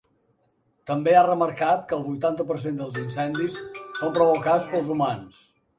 També ha remarcat que el vuitanta per cent dels incendis són provocats pels humans.